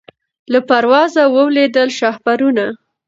له پروازه وه لوېدلي شهپرونه